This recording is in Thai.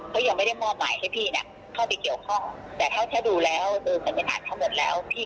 คุณคิดว่าใช่ไหม